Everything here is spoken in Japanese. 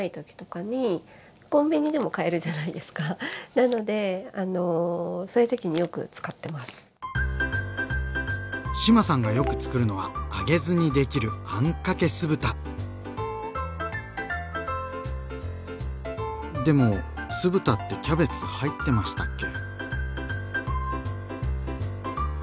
なのであの志麻さんがよくつくるのは揚げずにできるでも酢豚ってキャベツ入ってましたっけ？